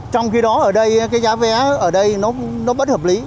trong khi đó ở đây cái giá vé ở đây nó bất hợp lý